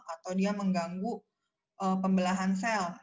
atau dia mengganggu pembelahan sel